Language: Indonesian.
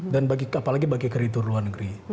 dan apalagi bagi kreditur luar negeri